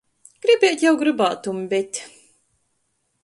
Gribiet jau grybātum, bet...